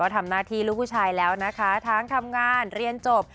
ทำหน้าที่ลูกผู้ชายแล้วนะคะทั้งทำงานเรียนจบ